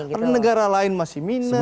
karena negara lain masih minus